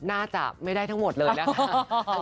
น่าจะไม่ได้ทั้งหมดเลยนะคะ